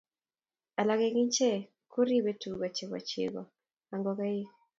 alak eng ichek koribei tuga chebo chego ak ngokaik